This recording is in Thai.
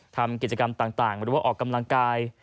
ทำกิจกรรมต่างหรือว่าออกกำลังกาย